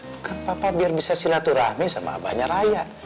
bukan papa biar bisa silaturahmi sama abahnya raya